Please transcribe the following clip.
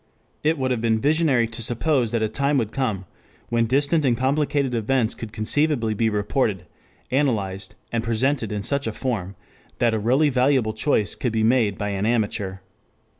It would have been visionary to suppose that a time would come when distant and complicated events could conceivably be reported, analyzed, and presented in such a form that a really valuable choice could be made by an amateur.